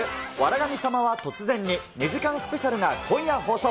神様は突然に２時間スペシャルが今夜放送。